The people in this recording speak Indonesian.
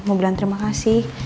mau bilang terima kasih